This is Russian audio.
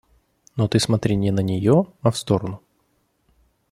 Но ты смотри не на нее, а в сторону.